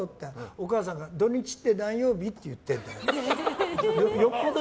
お母さんが土日って何曜日？って言ってるんだよ。